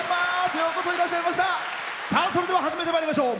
それでは始めてまいりましょう。